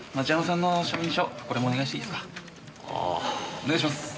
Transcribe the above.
お願いします！